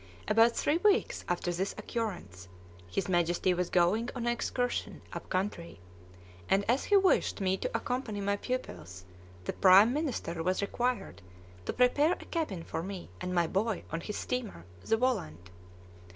About three weeks after this occurrence, his Majesty was going on an excursion "up country," and as he wished me to accompany my pupils, the prime minister was required to prepare a cabin for me and my boy on his steamer, the Volant.